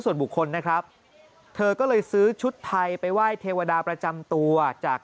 ส่วนบุคคลนะครับเธอก็เลยซื้อชุดไทยไปไหว้เทวดาประจำตัวจาก